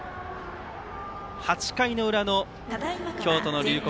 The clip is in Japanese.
８回の裏の京都の龍谷